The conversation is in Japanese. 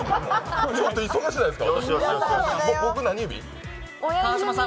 忙しないですか？